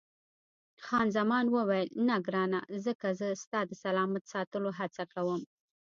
خان زمان وویل، نه ګرانه، ځکه زه ستا د سلامت ساتلو هڅه کوم.